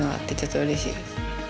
ちょっとうれしいです。